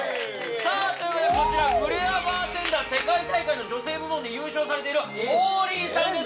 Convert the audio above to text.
さあというわけでこちらフレアバーテンダー世界大会の女性部門で優勝されているＯＬＬＩＥさんです